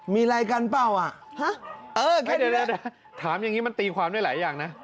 มีอะไรกันเปล่าอ่ะฮะเออเดี๋ยวถามอย่างนี้มันตีความได้หลายอย่างนะ